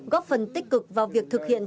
góp phần tích cực vào việc thực hiện